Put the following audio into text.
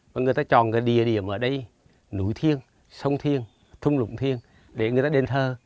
và người ta chọn cái địa điểm ở đây núi thiên sông thiên thung lũng thiên để người ta đền thờ